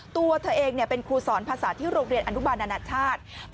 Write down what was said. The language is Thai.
ตัวเธอเองเป็นครูสอนภาษาที่โรงเรียนอนุบาลนานาชาติ